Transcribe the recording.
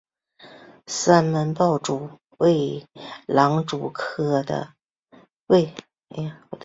三门豹蛛为狼蛛科豹蛛属的动物。